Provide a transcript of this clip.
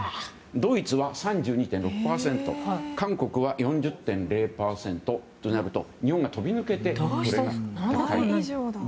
ドイツは３２．６％韓国は４０．０％となると日本が飛び抜けて高いと。